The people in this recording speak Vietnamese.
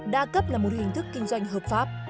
đa cấp là một hình thức kinh doanh hợp pháp